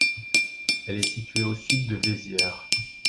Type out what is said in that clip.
Elle est située à au sud de Vézières.